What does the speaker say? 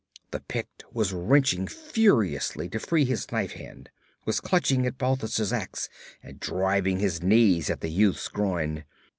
The Pict was wrenching furiously to free his knife hand, was clutching at Balthus' ax, and driving his knees at the youth's groin.